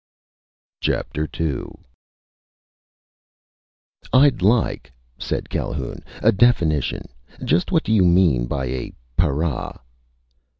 II "I'd like," said Calhoun, "a definition. Just what do you mean by a para?"